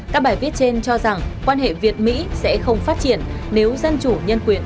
các bài viết trên cho rằng quan hệ việt mỹ sẽ không phát triển nếu dân chủ nhân quyền